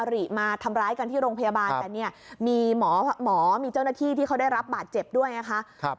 ริมาทำร้ายกันที่โรงพยาบาลแต่เนี่ยมีหมอมีเจ้าหน้าที่ที่เขาได้รับบาดเจ็บด้วยนะคะ